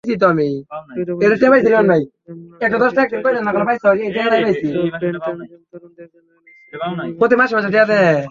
সুবিধাবঞ্চিত শিশুদের জন্যলাইফস্টাইল স্টোর একস্ট্যাসির সহ-ব্র্যান্ড তানজিম তরুণদের জন্য এনেছে ডেনিমের বিশেষ সংগ্রহ।